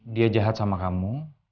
dia jahat sama kamu